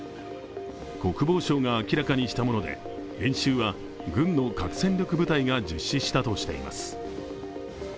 国防省が明らかにしたもので演習は軍の核戦力部隊が実施したとしています。